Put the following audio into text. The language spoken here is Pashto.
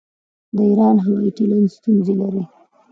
د ایران هوايي چلند ستونزې لري.